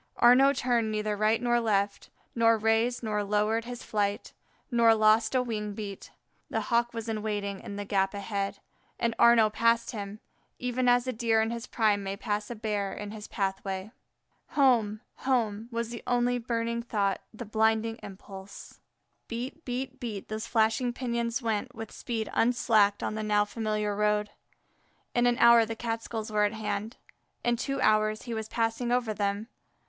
Arnaux turned neither right nor left, nor raised nor lowered his flight, nor lost a wing beat. The Hawk was in waiting in the gap ahead, and Arnaux passed him, even as a Deer in his prime may pass by a Bear in his pathway. Home! home! was the only burning thought, the blinding impulse. Beat, beat, beat, those flashing pinions went with speed unslacked on the now familiar road. In an hour the Catskills were at hand. In two hours he was passing over them.